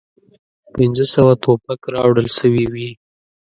پنځه سوه توپک راوړل سوي وې.